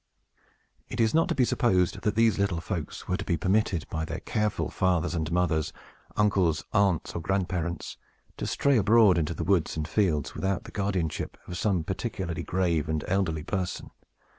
It is not to be supposed that these little folks were to be permitted by their careful fathers and mothers, uncles, aunts, or grandparents, to stray abroad into the woods and fields, without the guardianship of some particularly grave and elderly person.